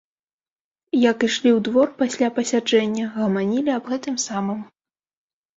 Як ішлі ў двор пасля пасяджэння, гаманілі аб тым самым.